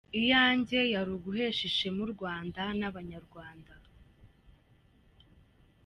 Iyanjye yari uguhesha ishema u Rwanda n’abanyarwanda.